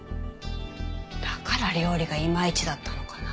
だから料理がイマイチだったのかなあ。